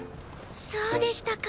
そうでしたか。